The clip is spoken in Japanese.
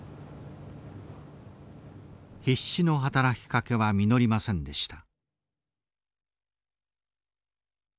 必死の働きかけは実りませんでした。